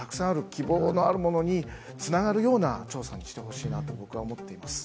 希望のあるものに繋がるような調査にしてほしいなと僕は思っています。